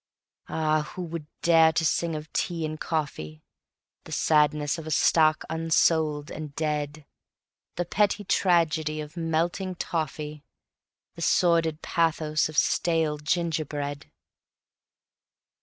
Ah, who would dare to sing of tea and coffee? The sadness of a stock unsold and dead; The petty tragedy of melting toffee, The sordid pathos of stale gingerbread.